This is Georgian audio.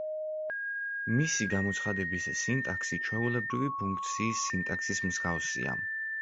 მისი გამოცხადების სინტაქსი ჩვეულებრივი ფუნქციის სინტაქსის მსგავსია.